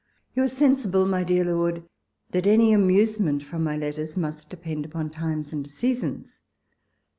You are sensible, my dear lorJ, that anv amusement from my letters must depend upon tunes and seasons.